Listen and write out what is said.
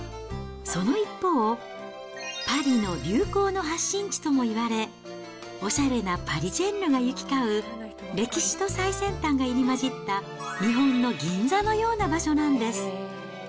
その一方、パリの流行の発信地ともいわれ、おしゃれなパリジェンヌが行き交う、歴史と最先端が入り交じった日本の銀座のような場所なんです。